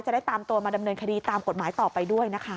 จะได้ตามตัวมาดำเนินคดีตามกฎหมายต่อไปด้วยนะคะ